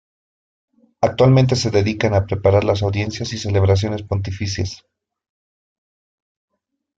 Actualmente se dedican a preparar las audiencias y celebraciones pontificias.